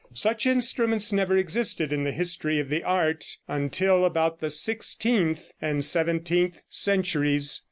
Such instruments never existed in the history of the art until about the sixteenth and seventeenth centuries.